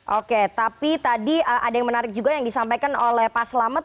oke tapi tadi ada yang menarik juga yang disampaikan oleh pak selamet